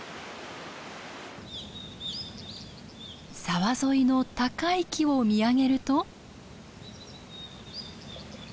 沢沿いの高い木を見上げると。